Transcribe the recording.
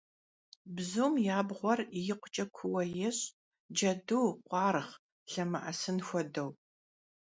Bzum yi abğuer yikhuç'e kuuue yêş', cedu, khuarğ lhemı'esın xuedeu.